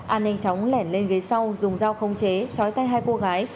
an nhanh chóng lẻn lên ghế sau dùng dao không chế chói tay hai cô gái